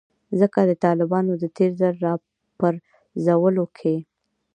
ځکه د طالبانو د تیر ځل راپرځولو کې